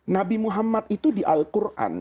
nabi muhammad itu di al quran